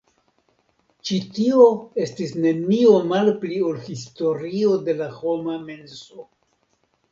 Ĉi tio estis nenio malpli ol historio de la homa menso.